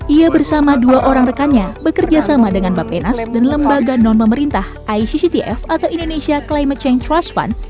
ia bersama dua orang rekannya bekerja sama dengan bapenas dan lembaga non pemerintah icctf atau indonesia climate change trust fund